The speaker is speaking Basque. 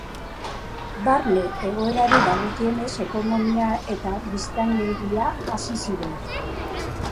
Barne egoerari dagokionez, ekonomia eta biztanleria hazi ziren.